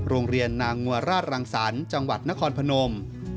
โรงเรียนนางงัวราชรังสรรค์จังหวัดนครพนม